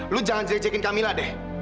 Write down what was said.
lu jangan jejekin kamila deh